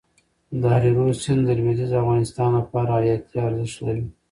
د هریرود سیند د لوېدیځ افغانستان لپاره حیاتي ارزښت لري.